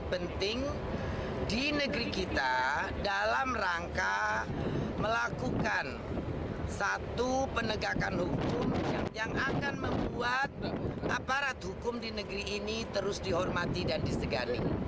penenggelaman kapal kapal ini menurut susi penting dilakukan untuk menjaga kedaulatan laut indonesia